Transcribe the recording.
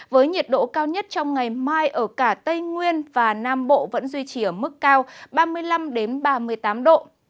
với nhiệt độ cao nhất trong ngày mai ở cả tây nguyên và nam bộ vẫn duy trì ở mức cao ba mươi năm ba mươi tám độ